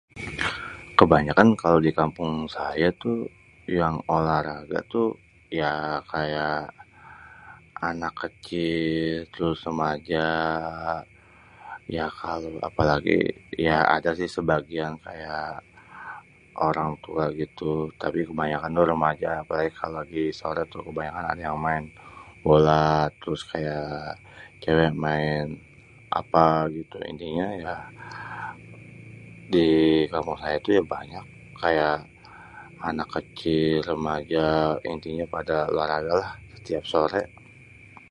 Kebanyakan kalo di kampung saya tuh yang olahraga tuh ya kayak anak kecil, terus remaja ya kalo, apalagi, ya ada sih sebagian kayak orang tua gitu tapi kebanyakan tuh remaja. Apalagi kalo lagi sore tu kebanyakan ada yang maèn bola, terus kayak cewek maèn apa gitu. Intinya ya di kampung saya tuh ya banyak kayak anak kecil, remaja, intinya pada lari-lari lah setiap sorè.